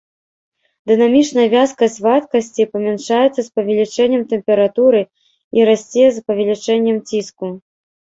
Дынамічная вязкасць вадкасцей памяншаецца з павелічэннем тэмпературы і расце з павелічэннем ціску.